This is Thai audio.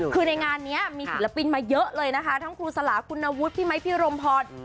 คือในงานนี้มีศิลปินมาเยอะเลยนะคะทั้งครูสลาคุณวุฒิพี่ไมค์พี่รมพร